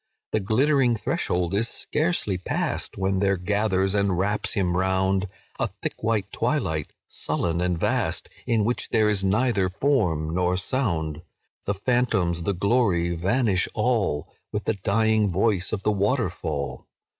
"The glittering threshold is scarcely passed, When there gathers and wraps him round A thick white twilight, sullen and vast, In which there is neither form nor sound; The phantoms, the glory, vanish all, With the dying voice of the waterfall.